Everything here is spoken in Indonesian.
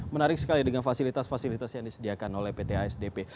menarik sekali dengan fasilitas fasilitas yang disediakan oleh pt asdp